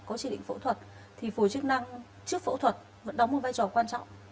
có chỉ định phẫu thuật thì phù hợp chức năng trước phẫu thuật vẫn đóng vai trò quan trọng